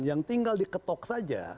yang tinggal diketoksa